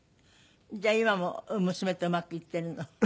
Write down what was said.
じゃあ今も娘とうまくいっているの？